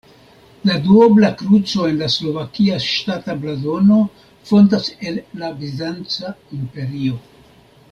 La duobla kruco en la slovakia ŝtata blazono fontas el la Bizanca Imperio.